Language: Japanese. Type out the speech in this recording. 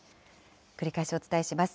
繰り返しお伝えします。